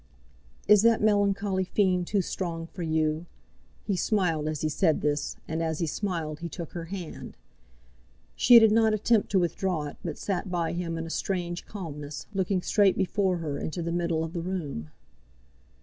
"Is that melancholy fiend too strong for you?" He smiled as he said this, and as he smiled, he took her hand. She did not attempt to withdraw it, but sat by him in a strange calmness, looking straight before her into the middle of the room.